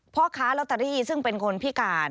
พ่อค้าลอตเตอรี่ซึ่งเป็นคนพิการ